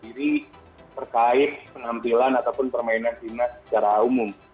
jadi terkait pengampilan ataupun permainan timnas secara umum